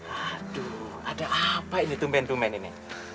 aduh ada apa ini tumben tumben ini